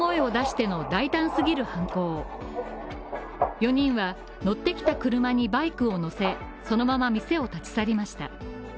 ４人は乗ってきた車にバイクを乗せ、そのまま店を立ち去りました。